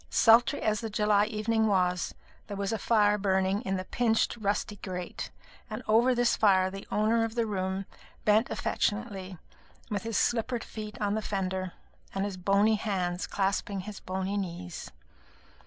Sultry as the July evening was, there was a fire burning in the pinched rusty grate, and over this fire the owner of the room bent affectionately, with his slippered feet on the fender, and his bony hands clasping his bony knees.